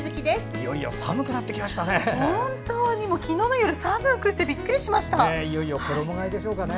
いよいよ寒くなってきましたね。